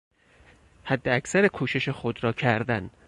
حداکثر کوشش خود را کردن